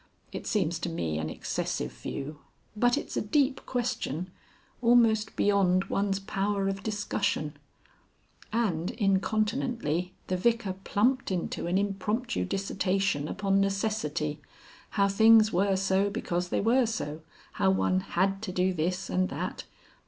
It seems to me an excessive view. But it's a deep question. Almost beyond one's power of discussion " And incontinently the Vicar plumped into an impromptu dissertation upon "Necessity," how things were so because they were so, how one had to do this and that.